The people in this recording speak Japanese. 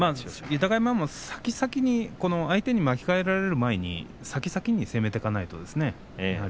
豊山も相手に巻き替えられる前に先に先に攻めていかないとね。